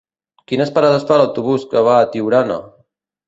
Quines parades fa l'autobús que va a Tiurana?